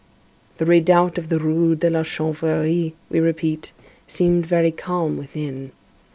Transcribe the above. The redoubt of the Rue de la Chanvrerie, we repeat, seemed very calm within.